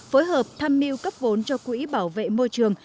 phối hợp tham mưu cấp vốn cho quỹ bảo vệ môi trường